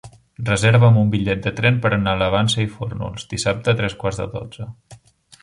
Reserva'm un bitllet de tren per anar a la Vansa i Fórnols dissabte a tres quarts de dotze.